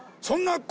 そんな。